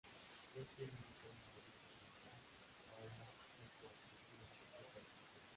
Esto indica una audición normal o una hipoacusia de percepción.